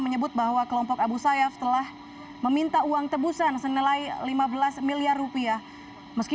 menyebut bahwa kelompok abu sayyaf telah meminta uang tebusan senilai lima belas miliar rupiah meski